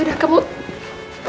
yaudah kamu pakai dulu